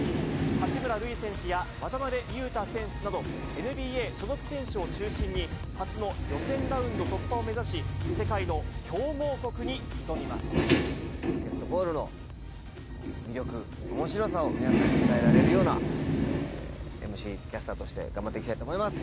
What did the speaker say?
八村塁選手や渡邊雄太選手など、ＮＢＡ所属選手を中心に、初の予選ラウンド突破を目指し、世界のバスケットボールの魅力、おもしろさを皆さんに伝えられるようなＭＣ、キャスターとして頑張っていきたいと思います。